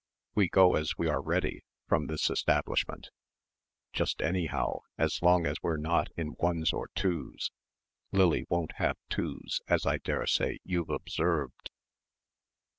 "We go as we are ready, from this establishment, just anyhow as long as we're not in ones or twos Lily won't have twos, as I dare say you've observed.